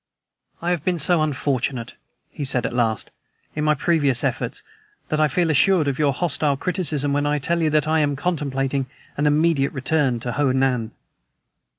"I have been so unfortunate," he said at last, "in my previous efforts, that I feel assured of your hostile criticism when I tell you that I am contemplating an immediate return to Ho Nan!"